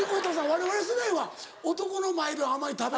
われわれ世代は男の前ではあまり食べない。